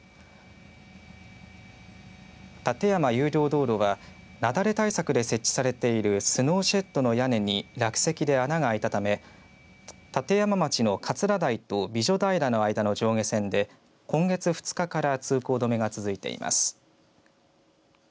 立山有料道路は雪崩対策で設置されているスノーシェットの屋根に落石で穴が開いたため立山町の桂台と美女平の間の上下線で今月２日から通行止めが続いています。